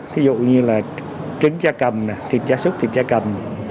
ví dụ như là trứng cha cầm thịt cha súc thịt cha cầm